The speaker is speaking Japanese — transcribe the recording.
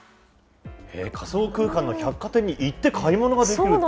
仮想空間の百貨店に行って買い物ができると。